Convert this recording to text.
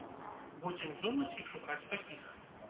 Будзем думаць і шукаць такіх.